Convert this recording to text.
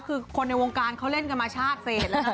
คือคนในวงการเขาเล่นกันมาชาติเศษแล้วนะ